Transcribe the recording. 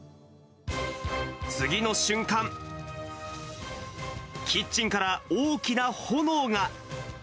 次の瞬間、キッチンから大きな炎が。